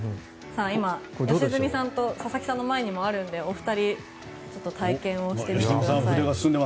今、良純さんと佐々木さんの前にもあるのでお二人ちょっと体験をしてください。